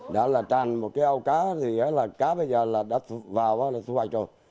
đã là chạy một cái ao cá thì cá bây giờ là đã vào là xu hoạch rồi